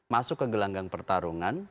masuk ke gelanggang pertarungan